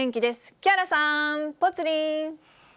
木原さん、ぽつリン。